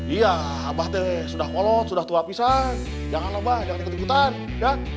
iya mba teh sudah molot sudah tua pisan jangan lho mba jangan ikut ikutan ya